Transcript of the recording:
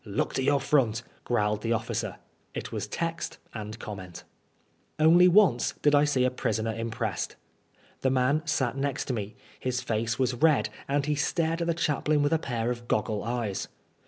" Look to your front," growled the officer. It was text and comment. PABSOK PliAFOBD. 149 Only once did I see a prisoner impressed. The man sat next to me ; his face was red, and he stared at the chaplain with a pair of goggle eyes.